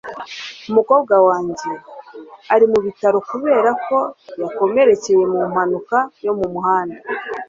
umukobwa wanjye ari mu bitaro kubera ko yakomerekeye mu mpanuka yo mu muhanda